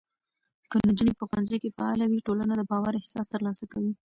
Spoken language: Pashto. که نجونې په ښوونځي کې فعاله وي، ټولنه د باور احساس ترلاسه کوي.